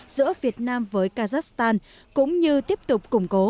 giữa việt nam với kazakhstan cũng như tiếp tục củng cố